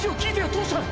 父さん！！